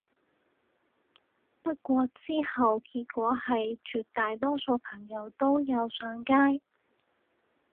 不過之後結果係絕大多數朋友都有上街